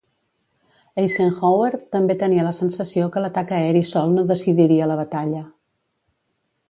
Eisenhower també tenia la sensació que l'atac aeri sol no decidiria la batalla.